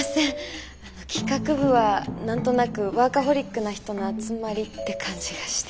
企画部は何となくワーカホリックな人の集まりって感じがして。